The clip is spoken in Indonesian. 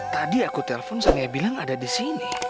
tadi aku telpon sangnya bilang ada disini